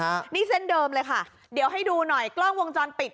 ฮะนี่เส้นเดิมเลยค่ะเดี๋ยวให้ดูหน่อยกล้องวงจรปิด